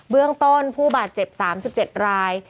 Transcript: เรื่องต้นผู้บาดเจ็บ๓๗ราย